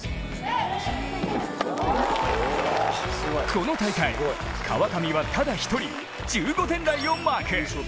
この大会、川上はただ１人、１５点台をマーク。